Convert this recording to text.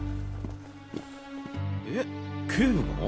えっ警部が？